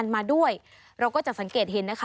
สวัสดีค่ะสวัสดีค่ะสวัสดีค่ะ